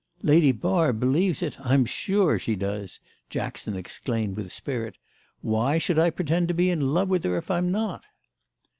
"Lady Barb believes it; I'm sure she does!" Jackson exclaimed with spirit. "Why should I pretend to be in love with her if I'm not?"